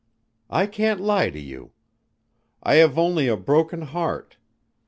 "I can't lie to you. I have only a broken heart.